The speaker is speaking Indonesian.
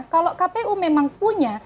kalau kpu memang punya